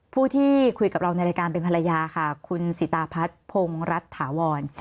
ผู้ที่คุยกับเราในรายการเป็นภรรยาค่ะคุณสิตาพัฒน์พงรัฐถาวร